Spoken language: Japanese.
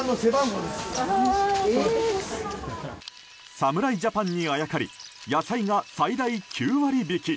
侍ジャパンにあやかり野菜が最大９割引き。